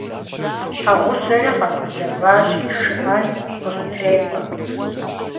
Щхьэгъусэри къэгузэващи шхыӀэн къыстрепӀэ.